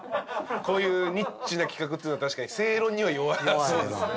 こういうニッチな企画というのは確かに正論には弱いですね。